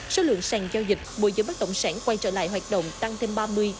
số lượng sàng giao dịch mua giống bất đồng sản quay trở lại hoạt động tăng thêm ba mươi bốn mươi